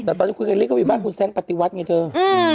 แต่ตอนนี้อู๋เคลรี่เขาอยู่บ้านคุณแซงปฏิวัติไงเธออืม